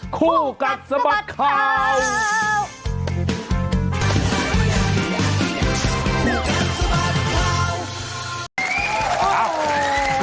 คู่กับสมัสข่าว